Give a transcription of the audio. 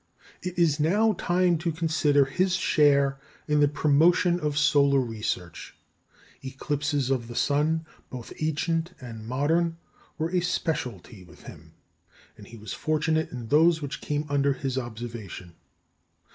It is now time to consider his share in the promotion of solar research. Eclipses of the sun, both ancient and modern, were a speciality with him, and he was fortunate in those which came under his observation.